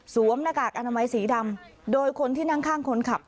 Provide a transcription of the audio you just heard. หน้ากากอนามัยสีดำโดยคนที่นั่งข้างคนขับ